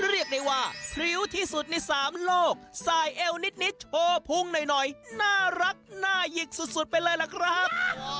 เฮ่เฮเรียกว่าหริวที่สุดในสามโลกใส่เอวนิดโทพลุ้งหน่อยน่ารักหน่ายิกซุ๊ดไปเลยละครับ